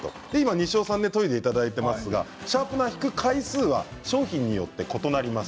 西尾さんに研いでいただいていますが、シャープナーを引く回数は商品によって異なります。